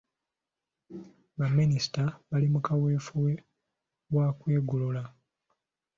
Baminisita bali mu kaweefube wa kwegogola.